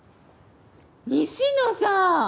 西野さん。